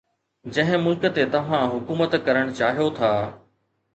جنهن ملڪ تي توهان حڪومت ڪرڻ چاهيو ٿا